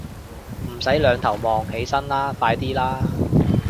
唔使兩頭望，起身啦，快啲啦